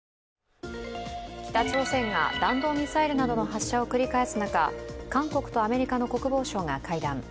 北朝鮮が弾道ミサイルなどの発射を繰り返す中韓国とアメリカの国防相が会談。